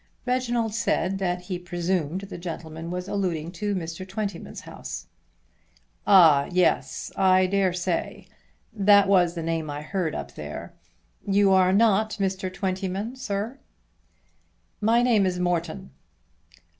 Reginald said that he presumed the gentleman was alluding to Mr. Twentyman's house. "Ah, yes, I dare say. That was the name I heard up there. You are not Mr. Twentyman, sir?" "My name is Morton."